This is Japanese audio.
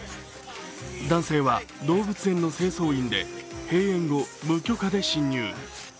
男性は動物園の清掃員で閉園後、無許可で侵入。